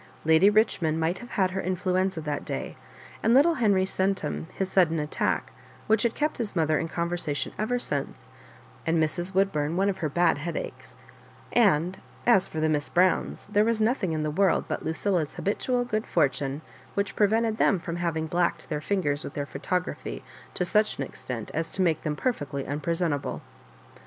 Lady Bichmond might have had her influenza that day, and little Heniy Centum his sudden attack, which had kept his mother in conversation ever since, and Mrs. Woodbum one of her bad headaches ; and as for the Miss Browns, there was nothing in the world but Lucilla's habitual good fortune which pre vented them from having blacked their fingers with their photography to such an extent as to make them perfectly unpresentable.